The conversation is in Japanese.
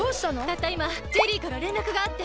たったいまジェリーかられんらくがあって。